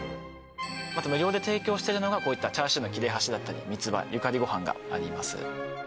あと無料で提供してるのがチャーシューの切れ端だったりみつばゆかりご飯があります